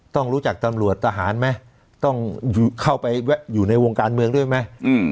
ต้องรู้จักตำรวจทหารไหมต้องเข้าไปอยู่ในวงการเมืองด้วยไหม